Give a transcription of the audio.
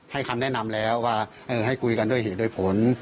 คำแนะนำแล้วว่าให้คุยกันด้วยเหตุด้วยผล